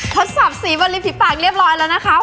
ทดสอบสีบนริมฝีปากเรียบร้อยแล้วนะคะ